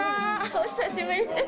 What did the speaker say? お久しぶりです。